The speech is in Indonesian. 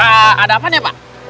eee ada apanya pak